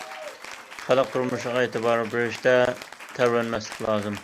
خەلق تۇرمۇشىغا ئېتىبار بېرىشتە تەۋرەنمەسلىك لازىم.